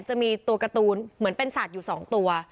จะมีตัวการ์ตูนเหมือนเป็นสัตว์อยู่๒ตัว